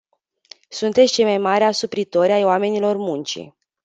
Sunteți cei mai mari asupritori ai oamenilor muncii.